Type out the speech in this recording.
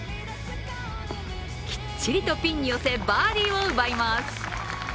きっちりとピンに寄せバーディーを奪います。